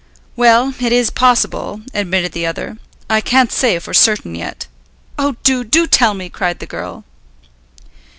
"Well, it is possible," admitted the other. "I can't say for certain yet." "Oh, do, do tell me!" cried the girl.